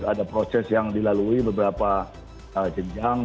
ada proses yang dilalui beberapa jenjang